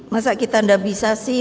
masa kita nggak bisa sih